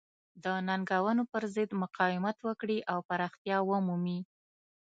د ننګونو پرضد مقاومت وکړي او پراختیا ومومي.